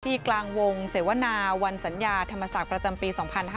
กลางวงเสวนาวันสัญญาธรรมศักดิ์ประจำปี๒๕๕๙